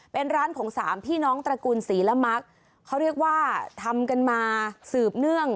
เป็นร้านของสามพี่น้องตระกูลศรีละมักเขาเรียกว่าทำกันมาสืบเนื่อง